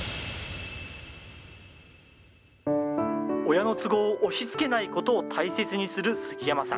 親の都合を押しつけないことを大切にする杉山さん。